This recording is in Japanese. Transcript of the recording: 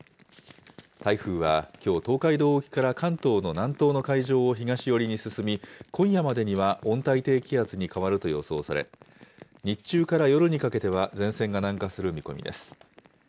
台風はきょう、東海道沖から関東の南東の海上を東寄りに進み、今夜までには温帯低気圧に変わると予想され、日中から夜にかけては前線が南下する見込みです。